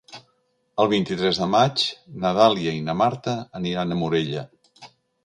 El vint-i-tres de maig na Dàlia i na Marta aniran a Morella.